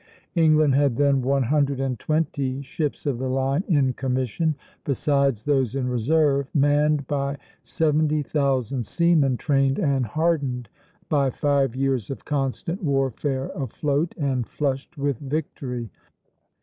England had then one hundred and twenty ships of the line in commission, besides those in reserve, manned by seventy thousand seamen trained and hardened by five years of constant warfare afloat, and flushed with victory.